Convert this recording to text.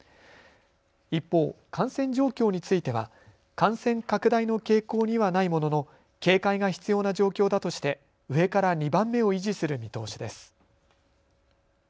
一方、感染状況については感染拡大の傾向にはないものの警戒が必要な状況だとして上から２番目を維持する見通しです。